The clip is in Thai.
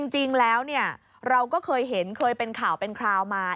จริงแล้วเราก็เคยเห็นเคยเป็นข่าวเป็นคราวมา